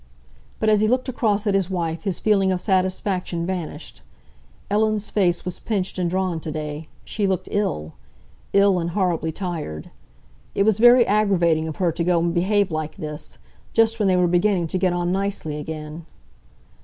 But as he looked across at his wife his feeling of satisfaction vanished. Ellen's face was pinched and drawn to day; she looked ill—ill and horribly tired. It was very aggravating of her to go and behave like this—just when they were beginning to get on nicely again.